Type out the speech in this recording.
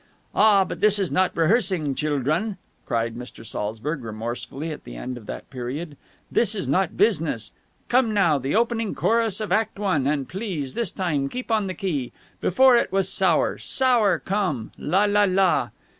"Ah, but this is not rehearsing, childrun!" cried Mr. Saltzburg remorsefully at the end of that period. "This is not business. Come now, the opening chorus of Act One, and please this time keep on the key. Before, it was sour, sour Come! La la la...."